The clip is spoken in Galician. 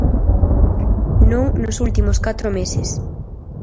Non nos últimos catro meses.